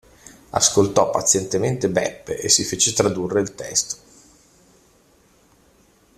Ascoltò pazientemente Beppe, e si fece tradurre il testo.